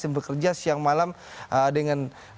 yang bekerja siang malam dengan